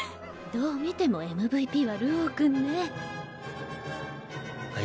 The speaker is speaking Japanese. どう見てもＭＶＰは流鶯君ね。